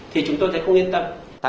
thì chúng tôi thấy không yên tâm